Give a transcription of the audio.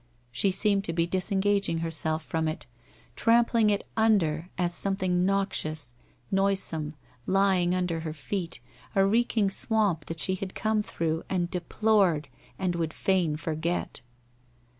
She seemed to be disengaging herself from it, trampling it under as something noxious, noisome, lying under her feet, a reek ing swamp that she had come through, and deplored, and would fain forget.